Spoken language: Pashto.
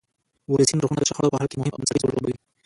ولسي نرخونه د شخړو په حل کې مهم او بنسټیز رول لوبوي.